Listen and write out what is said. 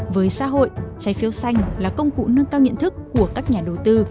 với xã hội trái phiếu xanh là công cụ nâng cao nhận thức của các nhà đầu tư